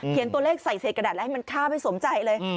เขียนตัวเลขใส่เศษกระดาษแล้วให้มันฆ่าไปสมใจเลย